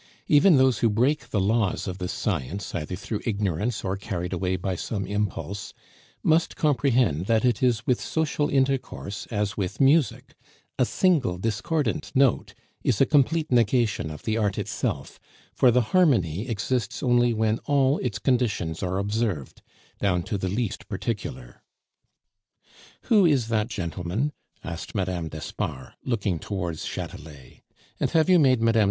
Even those who break the laws of this science, either through ignorance or carried away by some impulse, must comprehend that it is with social intercourse as with music, a single discordant note is a complete negation of the art itself, for the harmony exists only when all its conditions are observed down to the least particular. "Who is that gentleman?" asked Mme. d'Espard, looking towards Chatelet. "And have you made Mme.